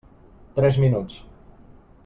Tres minuts.